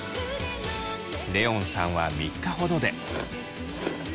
レオンさんは３日ほどで。